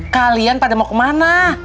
kalian pada mau kemana